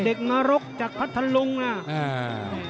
เด็กนรกจากพัฒนธรรม